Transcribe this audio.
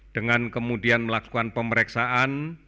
dengan kemudian melakukan pemeriksaan